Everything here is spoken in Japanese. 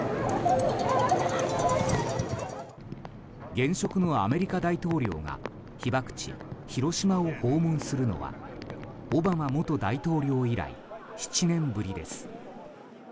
現職のアメリカ大統領が被爆地・広島を訪問するのはオバマ元大統領以来７年ぶりです。